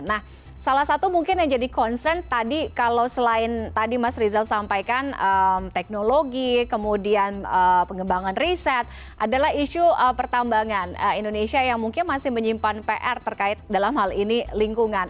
nah salah satu mungkin yang jadi concern tadi kalau selain tadi mas rizal sampaikan teknologi kemudian pengembangan riset adalah isu pertambangan indonesia yang mungkin masih menyimpan pr terkait dalam hal ini lingkungan